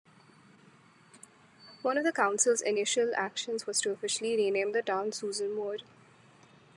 One of the council's initial actions was to officially rename the town Susan Moore.